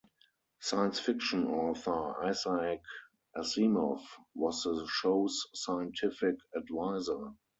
Science fiction author Isaac Asimov was the show's scientific adviser.